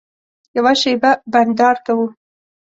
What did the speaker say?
یوه شېبه بنډار کوو.